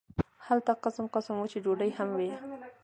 هلته قسم قسم وچې ډوډۍ هم وې.